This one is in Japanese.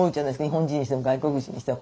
日本人にしても外国人にしても。